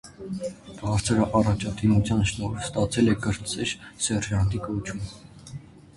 Բարձր առաջադիմության շնորհիվ ստացել է կրտսեր սերժանտի կոչում։